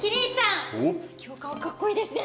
今日顔かっこいいですね！